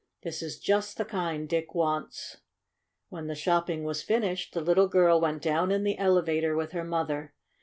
This is just the kind Dick wants." When the shopping was finished the little girl went down in the elevator with her mother.